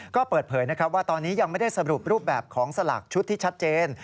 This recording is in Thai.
ก็เปิดเผยนะครับว่าตอนนี้ยังไม่ได้สรุปรูปแบบของสลากชุดที่ชัดเจน